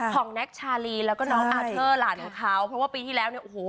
แน็กชาลีแล้วก็น้องอาเทอร์หลานของเขาเพราะว่าปีที่แล้วเนี่ยโอ้โห